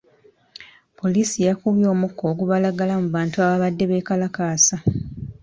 Poliisi yakubye omukka ogubalagala mu bantu abaabadde beekalakaasa.